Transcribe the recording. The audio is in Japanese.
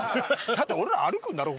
だって俺ら歩くんだろ？